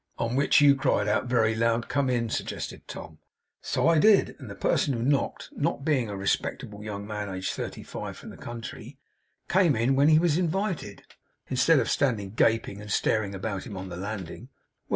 'On which you cried out, very loud, "Come in!"' suggested Tom. 'So I did. And the person who knocked, not being a respectable young man, aged thirty five, from the country, came in when he was invited, instead of standing gaping and staring about him on the landing. Well!